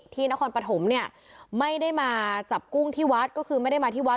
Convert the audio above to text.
นครปฐมเนี่ยไม่ได้มาจับกุ้งที่วัดก็คือไม่ได้มาที่วัด